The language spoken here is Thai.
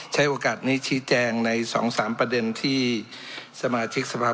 ใช้โอกาสนี้ชี้แจงใน๒๓ประเด็นที่สมาชิกสภาพ